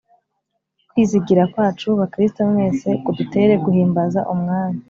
kwizigira kwacu, bakristo mwese, kudutere guhimbaza umwami